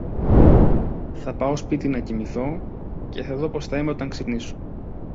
Θα πάω σπίτι να κοιμηθώ και να δω πώς θα είμαι όταν ξυπνήσω